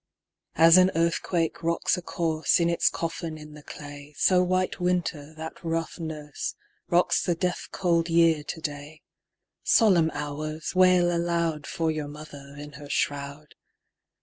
2. As an earthquake rocks a corse In its coffin in the clay, So White Winter, that rough nurse, Rocks the death cold Year to day; _10 Solemn Hours! wail aloud For your mother in her shroud.